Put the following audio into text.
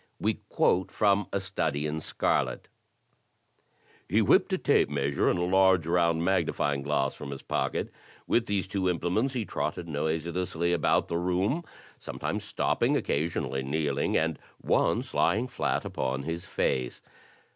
We quote from "A Study in Scarlet:" He whipped a tape measure and a large, roimd magnifying glass from his pocket. With these two implements he trotted noiselessly about the room, sometimes stopping, occasionally kneeling, and once l3ring flat upon his face.